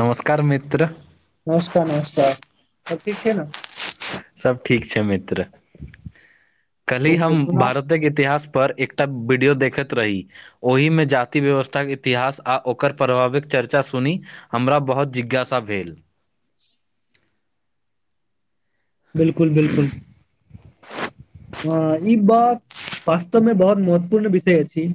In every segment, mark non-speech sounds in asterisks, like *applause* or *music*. नमस्कार मित्र नमस्कार नमस्कार सब ठीक छै नऽ सब ठीक छै मित्र काल्हि हम बिलकुल सुनाउ भारत इतिहास पर एकटा वीडियो देखैत रही ओहिमे जाति व्यवस्थाक इतिहास आ ओकर प्रभावक चर्चा सुनी हमरा बहुत जिज्ञासा भेल बिल्कुल बिल्कुल *unintelligible* ह ई बात वास्तवमे बहुत महत्वपूर्ण विषय अछी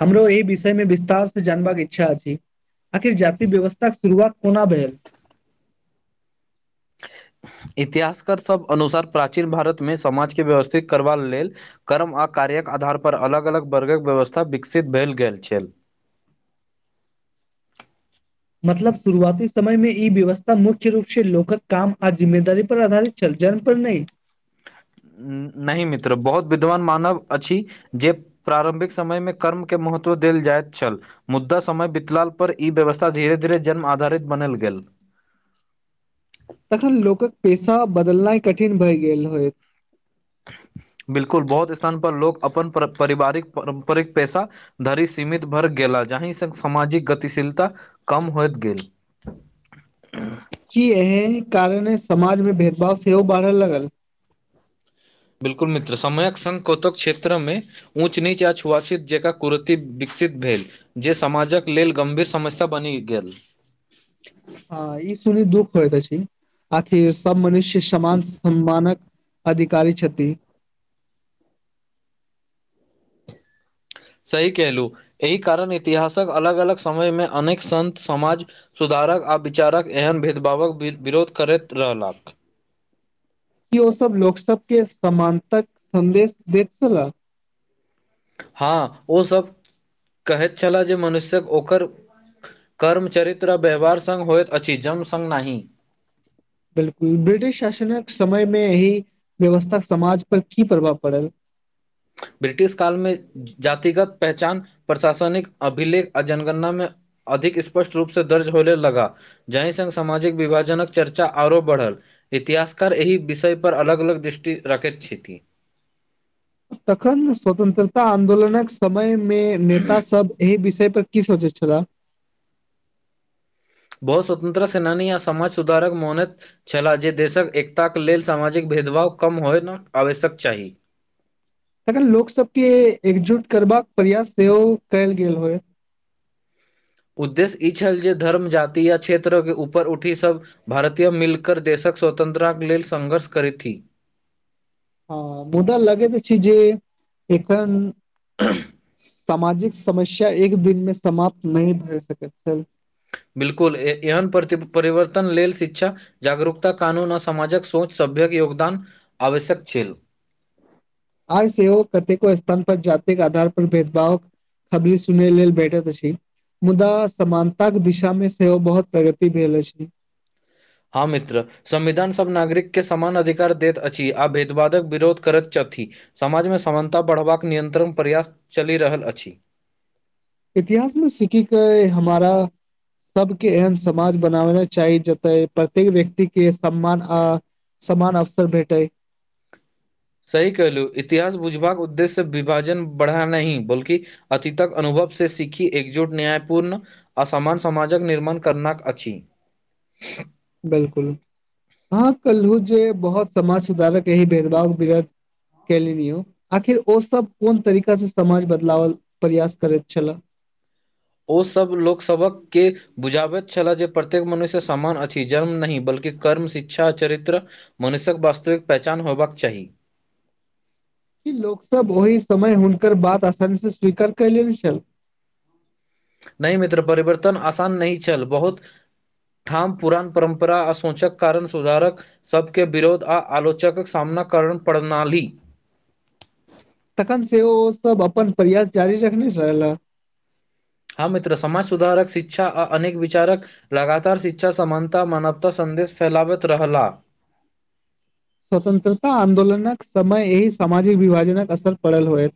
हमरो एहि विषय मे विस्तार सऽ जानबाक इच्छा अछि आखिर जाति व्यवस्थाक के शुरुआत कोना भेल इतिहासकार सभ अनुसार प्राचीन भारतमे समाजके व्यवस्थित करबा लेल कर्म आ कार्य्यक आधार पर अलग अलग वर्गक व्यवस्था विकसित भेल गेल छेल मतलब शुरुआती समय मे ई व्यवस्था मुख्य रूप से लोकक काम आ जिम्मेदार पर आधारित छल जन्म पर नहि नहि मित्र बहुत विद्वान मानव अछि जे प्रारम्भिक समयमे कर्मके महत्व देल जाइत छल मुद्दा समय बितलाल पर ई व्यवस्था धीरे धीरे जन्म आधारित बनल गेल तखन लोकक पेशा बदलनाइ कठिन भय गेल होय बिल्कूल बहुत स्थान पर लोको अपन परारिवारिक पारम्परिक पैसा धरि सीमित भर गेला जाहिसँ सामाजिक गतिशीलता कम होइतत गेलऽ कि एहि कारण ह समाज मे भेदभाव सेहो बढ़य लगल बिल्कुल मित्र समयक सँ कतहु क्षेत्रमे ऊँच नीच आ छुआछित जकरा कुरति विकसित भेलऽ जे समाजक लेलऽ गम्भीर समस्या बनि गेल आई सुनी दुख होइत छै आखिर सभ मनुष्य समान सम्मान कऽ अधिकारी छथिन सही केलहु एहि कारण इतिहासक अलग अलग समयमे अनेक सत समाज सुधारक आ विचारक एहन भेदभाव कऽ विरोध करैत रहलाह कि ओ सभ लोक सभ के समानतक सन्देश देत छह ह ओसभ कहैत छलाह जे मनुष्यक ओकर कर्मचरित्र व्यवहारसघ होयत आ जम संघ नहि बिल्कूल ब्रिटिश शासनक समय मे एहि व्यवस्था समाज पर की प्रभाव पड़ल ब्रिटिश कालमे जातिगत पहचान प्रशासनि कऽ अभिलेख आ जनगणनामे अधिक स्पष्ट रूप से दर्ज होने लगा। जाहि संघ सामाजिक विभाजनक चर्चा आरो बढ़ल इतिहासकार एहि विषय परर अलग अलग दृष्टि रखैत छथिन तखन स्वतंत्रता आन्दोलनक समय मे नेता सभ एहि विषय पर कि सोचै छै तऽ बहुत स्वतन्त्र सेनानी ये समाज सुधारक मोहनत छलाह जे देशक एकताक लेलऽ सामाजिक भेदभाव कम होयना आवश्यक चाही तखन लोक सभ के एकजुट करबाका प्रयास सेहो कयल गेल होय उद्देश्य ई छल जे धर्म जाति या क्षेत्रके ऊपर उठी सभ भारतीय मिलकर देशक स्वतन्त्रताक लेलऽ संघर्ष करैतथि हँ मुदा लगैत छै जे एखन। हू सामाजिक समस्या एक दिन मे समाप्त नहि भए सकैतसँ बिल्कूल एहन परिवर्तन लेलऽ शिक्षा जागरूकता कानून आ समामाजक सोच सभ्यक योगदान आवश्यक छै। आय सेहो कतेको स्थान पर जातके आधार पर भेदभाव खबरी सुनै लेलऽ भेठत छी मुदा समानताक के दिशा मे सेहो बहुत प्रगति भेल अछि ह मित्र संविधान सभ नागरिक के समान अधिकार दैत अछि आ भेदभादक विरोध करैत छथिन समाजमे समानता बढ़बा कऽ नियन्त्रण प्रयास चलि रहल अछि इतिहास मे सिख कऽ हमारा सभके एहन समाज बनाबना चाही जतय प्रत्येक व्यक्ति के सम्मान आ। समान अफसर भेटै। सही कहलू इतिहास बुझबाकऽ उद्देश्य विभाजन बढ़ा नहि बल्कि अतिक अनुभवसँ सीखी एकजुट न्यायपूर्ण असमान समाजकऽ निर्माण करना अछि बिल्कूल अह कहलहु जे बहुत समाज सुधारक यी भेदभाव वरत कलनि यौ आखिर ओ सभ कोन तरीका से समाज बदलावल प्रयास करैत छले ओसभ लोकसभके बुझाबैत छलह जे प्रत्येक मनुष्य समान अछि जन्म नहि बल्कि कर्म शिक्षा चरित्र मनुष्यक वास्तविक पहचान होबाक चाही कि लोक सब ओहि समय हुनकर बात आसानी से स्वीकार कले छल नहि मित्र परिवर्तन आसान नहि छल बहुत ठाम पुरान परम्परा असोचक कारण सुधारक सभके विरोध आ आलोचकक सामना कर प्रड़णाली तखन से ओ सब अपन प्रयास जारी रखने छल हँ मित्र समाज सुधारक शिक्षा आ अनेक विचारक लगातार शिक्षा समानता मानवता सन्देश फैलाबैत रहलाह स्वतंत्रता आन्दोलनक समय एहिी सामाजिक विभाजनक असर पड़ल होयत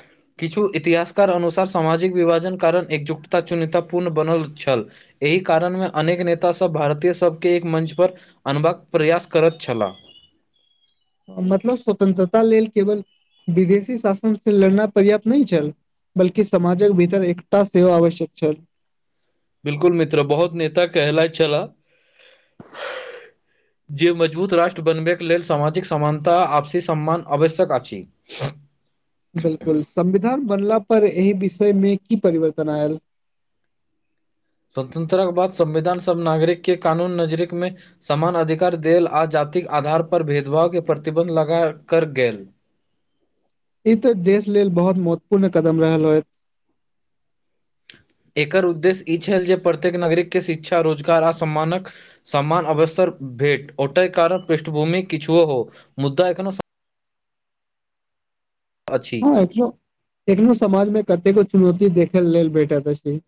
*inaudible* किछु इतिहासकार अनुसार सामाजिक विभाजन कारण एकजुटता चुन्यता पूर्ण बनल छल एहि कारण मे अनेक नेता सब भारतीय सबके एक मंच पर अनबाक प्रयास करेत छला मतलब स्वतंत्रता लेल केवल विदेशी शासन से लड़ना पर्याप्त नहि छल बल्कि समाजक भीतर एकटा सेहो आवश्यक छल बिल्कुल मित्र बहुत नेता कहला छलला जे मजबूत राष्ट्र बनबैके लेल सामाजिक समानता आ आपसी सम्मान आवश्यक अछि बिल्कुल संविधान बनला पर एहि विषय मे की परिवर्तन आयल स्वतंत्रता बाद संविधान सभ नागरिक के कानून नजरीक मे समान अधिकार देल आ जातिक आधार पर भेदभाव के प्रतिबन्ध लगा कर गेल ई तऽ देश लेल बहुत महत्वपूर्ण कदम रहल होय एकर उद्देश्य ई छल जे प्रत्येक नागरिकके शिक्षा रोजगार आ सम्मानक समान अवस्तर भेट ओतय कारण पृष्ठभूमि किछु हो मुद्दा एखनो समान अछि। हँ एखनो एखनो समाज मे कतेको चुनौती देखै लेल भेटल अछि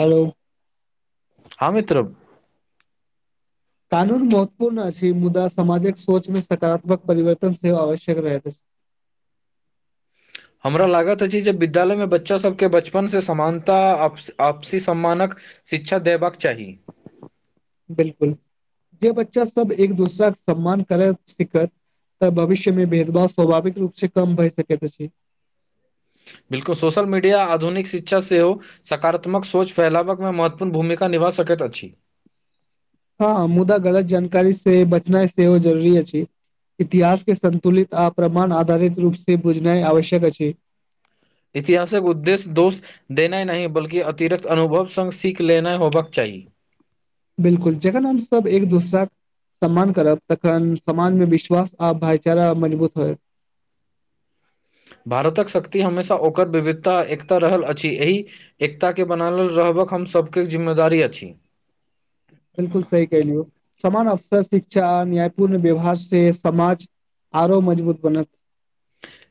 हेलो हँ मित्र कानून महत्वपूर्ण अछि मुदा सामाजिक सोच में सकारात्मक परिवर्तन सेहो आवश्यक रहैत अछि हमरा लागैत अछि जे विद्यालयमे बच्चा सबके बचपनसँ समानता आपसी सम्मानक शिक्षा देबाक चाही बिल्कुल जे बच्चा सब एक दोसरा कऽ सम्मान करैत सिखत तऽ भविष्य मे भेदभाव स्वभाविक रूप से कम भए सकैत अछि बिल्कुल सोशल मीडिया आधुनिक शिक्षा सेहो सकारात्मक सोच फैलाबक मे महत्वपूर्ण भूमिका निभा सकैत अछि हँ हँ मुदा गलत जानकारी से बचनाइ सेहो जरूरी अछि इतिहास के संतुलित आ प्रमाण आधारित रूप से बुझनाइ आवश्यक अछि इतिहासक उद्देश्य दोष देना नहि बल्ि अतिरिक्त अनुभव संग सीख लेना होबाक चाही बिल्कुल जखन हम सब एक दूसरा सम्मान करब तखन समाज में विश्वास आ भाईचारा मजबूत होय भारतक शक्ति हमेशा ओकर विविधता एकता रहल अछि एहि एकताके बनलल रहबक हम सभके जिम्मेदारी अछि बिल्कुल सही कहि लियौ समान अवसर शिक्षा न्यायपूर्ण व्यवहार से समाज आरो मजबूत बनत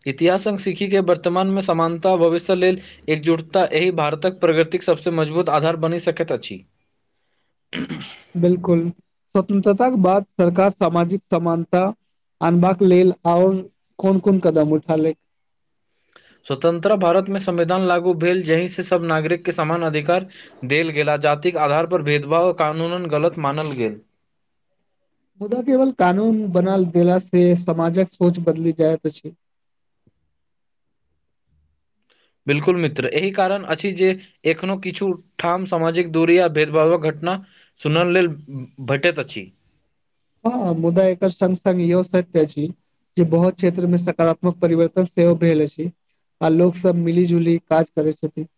इतिहास संग सिकखिके वर्तमानमे समानता भविष्य लेल एकजुटता एहि भारतक प्रगतिक सभ सँ मजबूत आधार बनि सकैत अछि। ह। बिलकुल स्वतंत्रता के बाद सरकार सामाजिक समानता अनबाक लेल आओर कोन कोन कदम उठ ले स्वतंत्र भारत मे संविधान लागू भेल जहि से सभ नागरिकके समान अधिकार देल गेल आ जातिक आधार पर भेदभाव आ कानून गलत मानल गेल मुदा केवल कानून बना देला से समाजक सोच बदली जाय छै। बिलकुल मित्र एहि कारण अछि जे एखनो किछु ठाम सामाजिक दूरी आ भेदभावक घटना सुनल लेल भेटैत अछि। हँ मुदा एकर सत्संग योसै त छी जे बहुत क्षेत्र मे सकारात्मक परिवर्तन सेहो भेल छै। आ लोकोग सभ मिली जुली काज करै छथिन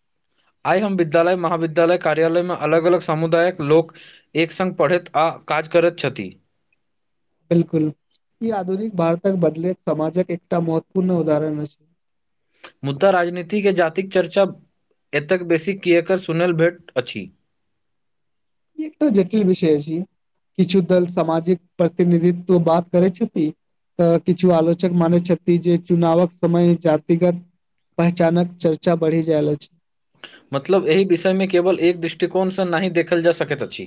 आइ हम विद्यालय महाविद्यालय कार्यालय में अलग अलग समुदायक लोक एक संगे पढ़ैत आ काज करैत छथि बिलकुल ई आधुनिक भारतक बदल समाजक एकटा महत्वपूर्ण उदाहरण छै। मुदा राजनीतिके जातिक चर्चा एतेक बेसी किएक सुनल भेट अछि। ई एकटा जटिल विषय छी। किछु दल सामाजिक प्रतिनिधित्व बात करै छथि। तऽ किछु आलोचक मने छथि। जे चुनावक समय जतिगत पहचानक चर्चा बढ़ि जाल छै। मतलब एहि विषयमे केवल एक दृष्टिकोणसँ नहि देखल जा सकैत अछि।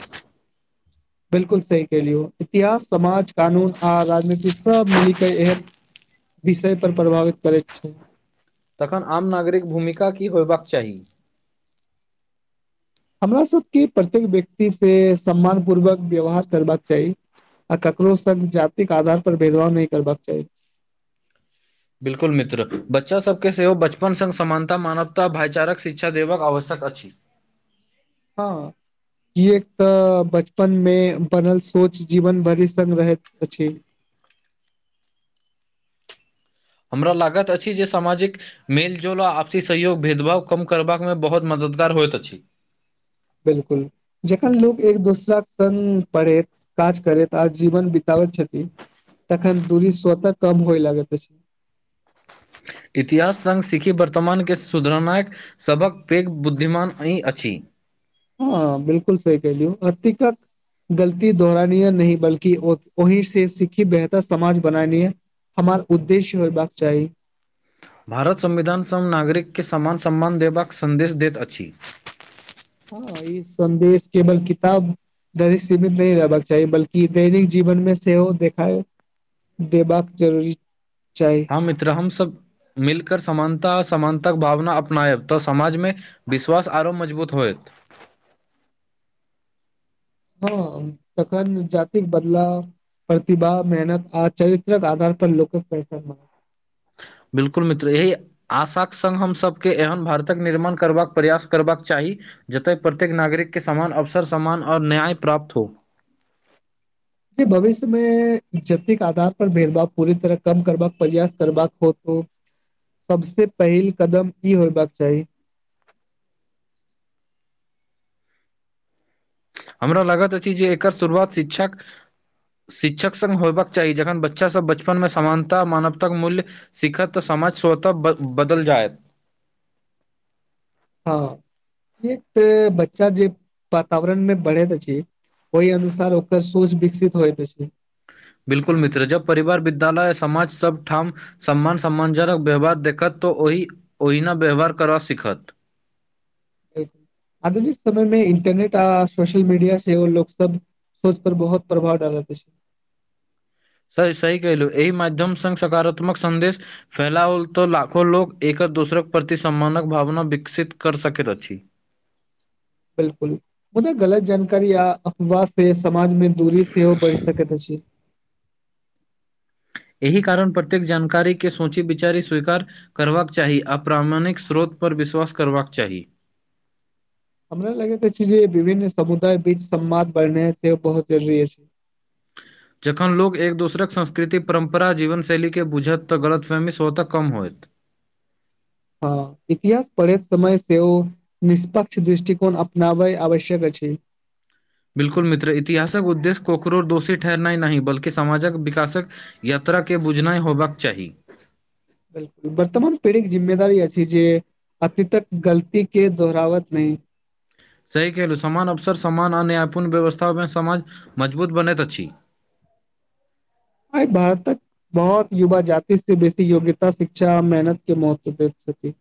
बिलकुल सही कलियौ इतिहास समाज कानून आ राजनीति सभ मिली के एक विषय पर प्रभावित करैत छै। तखन आम नागरिक भूमिका की होयबाक चाही हमरा सभ के प्रत्येक व्यक्ति से सम्मान पूर्वक व्यवहार करबाक चाही आ ककरो सभ जात के आधार पर भेदभाव नहि करबाक चाही बिल्कुल मित्र बच्चासभकेँ सेहो बचपन सङ्ग समानता मानवता भाइचारक शिक्षा देबाक आवश्यक अछि। हँ ई एक त बचपन में बनल सोच जीवन भरि सऽ रहैत छै। हमरा लागत अछि। जे सामाजिक मेलजोल आ आपसी सहयोग भेदभाव कम करमे बहुत मददगार होइत अछि। बिलकुल जखन लोको एक दोसरााक सङ्ग पढ़ैत काज करैत आ जीवन बितबैत छथिन। तन दूरी श्रोताः कम होइ लागत छै। इतिहास संग सिखी वर्तमानके सुधरनाक सभक पैघ बुद्धिमान ई अछि। हॉं बिलकुल सही कहि दिय अर्तिक गलती दोहरानीय नहि बल्कि ओहि से सिखी बेहतर समाज बनानीय हमर उद्देश्य हेयबाक चाही भारत संविधानसँ नागरिककेँ समान सम्मान देबाक सन्देश दैत अछि। ई संदेश केवल किताब सीमित नहि रहबाक चाही बल्कि दैनिक जीवन में सेहो देखाए देबाक जरूरी चाही मित्र हम सभ मिलकर समानता अ समानता के भावना अपनायब तऽ समाज में विश्वास आरो मजबूत होयत हॉं तखन जातिक बदलाव प्रतिभा मेहनत आ चरित्रक आधार पर लोक पैसर मऽ बिल्कुल मित्र यहि आशाक संग हमसभके एहन भारतक निर्माण करबाक प्रयास करबाक चाही जतय प्रत्येक नागरिक के समान अवसर समान आ न्याय प्राप्त हो भविष्यमे जतिक आधार पर भेदभाव पूरी तरह कम करबाक प्रयास करबाक होत सबसे पहिल कदम ई होयबाक चाही हमरा लागैत अछि जे एकर शुरुआत शिक्षक शिक्षक संग होयबाक चाही जखन बच्चासभ बचपनमे समानता मानवताक मूल्य सिखत तऽ समाज स्वतः बदल जायत हॉं एक तऽ बच्चा जे वातावरण मे बढ़ैत अछि ओहि अनुसार ओकर सोच विकसित होइत अछि बिल्कुल मित्र जब परिवार विद्यालय समाज सब ठाम सम्मान सम्मञ्जनक व्यवहार देखत तऽ ओहि ओहिना व्यवहार करब सीखत आधुनिक समय मे इन्टरनेट आ सोशल मीडिया सेहो लोक सब सोच पर बहुत प्रभाव डालेत अछि स सही कलु एहि मध्यम सऽ सकारात्मक सन्देश फैलाओल तऽ लाखो लोको एक दूसरक प्रति सम्मानक भावना विकसित कर सकैत अछि बिल्कुल मुदा गलत जानकारी या अफवाह से समाजमे दूरी सेहो बढ़ि सकैत अछि एहि कारण प्रत्येक जानकारी के सोची विचारी स्वीकार करबाक चाही अप्रामणिक स्रोत पर विश्वास करबाक चाही हमरा लगैत अछि जे विभिन्न समुदाय बीच समवाद बढ़ने छै बहुत जरुरी अछि जखन लोक एक दोसरक संस्कृति परम्परा जीवनशैलीके बुझत तऽ गलतफहमीस ओतऽ कम होयत हँ इतिहास पढ़ैत समय सेहो निष्पक्ष दृष्टिकोण अपनाबै आवश्यक अछि बिल्कुल मित्र इतिहासक उद्देश्य ककरो दोषी ठहनाइ नही बल्कि समाजक विकासक यात्रा के बुझनाय होबक चाही बिल्कुल वर्तमान पीढ़ी के जिम्मेदारी अछि जे अतितक गलती के दोहरावत नैय सही केलौ समान अवसर समान आ न्यायपूर्ण व्यवस्था मे समाज मजबूत बनैत अछि आइ भारत तक बहुत युवा जाति से बेसी योग्यता शिक्षा मेहनत के महत्व देत छथि